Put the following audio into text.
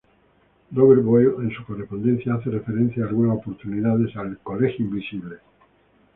Robert Boyle en su correspondencia hace referencia en algunas oportunidades al 'Colegio Invisible'.